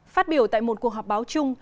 phát biểu tại một cuộc họp báo chung